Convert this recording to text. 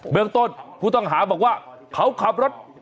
เมืองต้นผู้ต้องหาบอกว่าเขาขับรถ